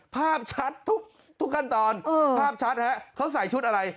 ภาพชัดทุกขั้นตอนภาพชัดฮะเขาใส่ชุดอะไร